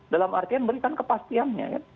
dalam artian berikan kepastiannya